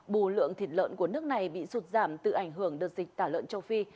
bù lượng thịt lợn của nước này bị sụt giảm từ ảnh hưởng đợt dịch tả lợn châu phi